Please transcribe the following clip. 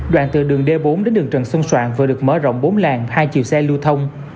đoạn từ đường d bốn đến đường trần xuân soạn vừa được mở rộng bốn làng hai chiều xe lưu thông